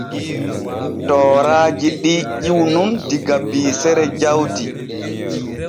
Tooraaji ɗi ƴiwu nun diga biisere jawdi.